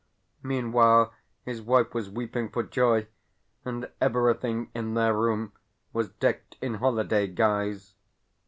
Meanwhile his wife was weeping for joy, and everything in their room was decked in holiday guise.